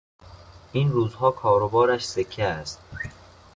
این روزها کار و بارش سکه است.